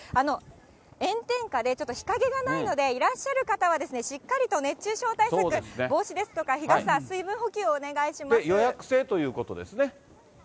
炎天下でちょっと日陰がないので、いらっしゃる方は、しっかりと熱中症対策、帽子ですとか、日傘、予約制ということですね。